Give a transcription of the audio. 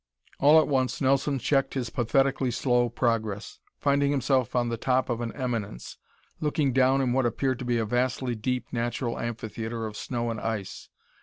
All at once Nelson checked his pathetically slow progress, finding himself on the top of an eminence, looking down in what appeared to be a vastly deep natural amphitheater of snow and ice.